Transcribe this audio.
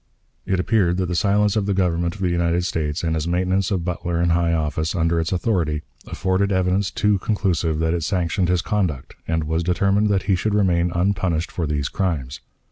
It appeared that the silence of the Government of the United States and its maintenance of Butler in high office, under its authority, afforded evidence too conclusive that it sanctioned his conduct, and was determined that he should remain unpunished for these crimes.